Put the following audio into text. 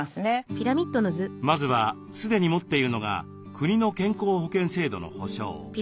まずは既に持っているのが国の健康保険制度の保障。